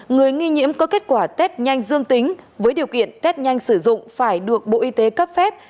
người nghi nhiễm có kết quả test nhanh dương tính với điều kiện test nhanh sử dụng phải được bộ y tế cấp phép